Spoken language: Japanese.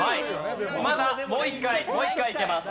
まだもう一回もう一回いけます。